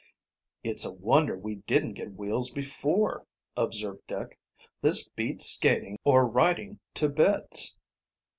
"It's a wonder we didn't get wheels before," observed Dick. "This beats skating or riding a to bits."